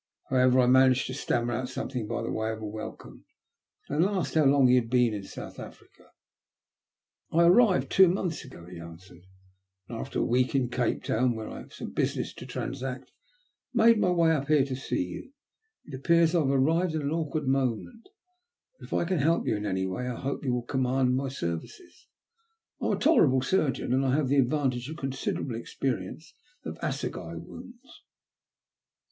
However, I managed to stammer out something by way of a welcome, and then asked how long he had been in South Africa. 278 THE LUST OF HATE. "I arrived two months ago/' he answered, "and after a week in Cape Town, where I had some busi ness to transact, made my way up here to see you. It appears I have arrived at an awkward moment, but if I can help you in any way I hope you will command my services. I am a tolerable surgeon, and I have the advantage of considerable experience of assegai wounds."